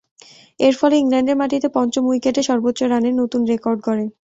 এরফলে, ইংল্যান্ডের মাটিতে পঞ্চম উইকেটে সর্বোচ্চ রানের নতুন রেকর্ড গড়েন।